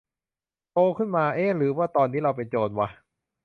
โตขึ้นมา เอ๊ะ หรือตอนนี้เราเป็นโจรวะ ?